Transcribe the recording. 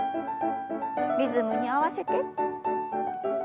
リズムに合わせて。